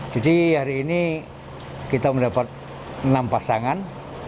jadi hari ini kita mendapat enam pasangan